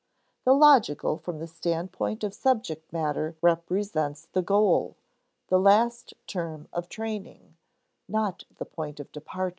_The logical from the standpoint of subject matter represents the goal, the last term of training, not the point of departure.